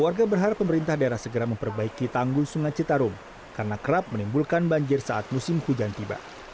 warga berharap pemerintah daerah segera memperbaiki tanggul sungai citarum karena kerap menimbulkan banjir saat musim hujan tiba